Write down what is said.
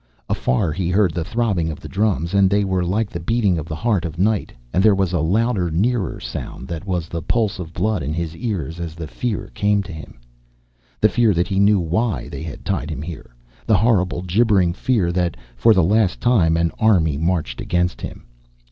Afar, he heard the throbbing of the drums, and they were like the beating of the heart of night, and there was a louder, nearer sound that was the pulse of blood in his ears as the fear came to him. The fear that he knew why they had tied him here. The horrible, gibbering fear that, for the last time, an army marched against him.